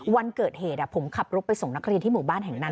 วันเกิดเหตุผมขับรถไปส่งนักเรียนที่หมู่บ้านแห่งนั้น